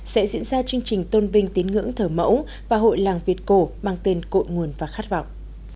sẽ diễn ra chương trình tôn vinh tiếng ngưỡng thở mẫu và hội làng việt cổ bằng tên cội nguồn và khát vọng